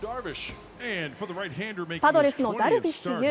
パドレスのダルビッシュ有。